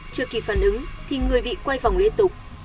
trước khi phản ứng thì người bị quay vòng lễ tục